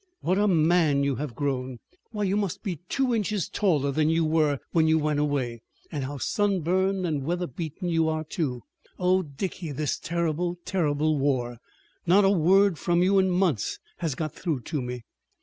"What a man you have grown! Why, you must be two inches taller than you were, when you went away, and how sunburned and weather beaten you are, too! Oh, Dicky, this terrible, terrible war! Not a word from you in months has got through to me!"